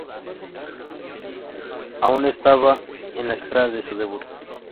Aún estaba a la espera de su debut.